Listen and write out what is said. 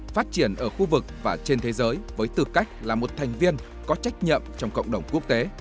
phát triển ở khu vực và trên thế giới với tư cách là một thành viên có trách nhậm trong cộng đồng quốc tế